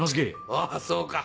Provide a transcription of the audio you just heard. あぁそうか！